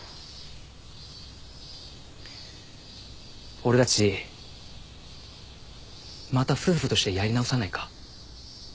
俺たちまた夫婦としてやり直さないか？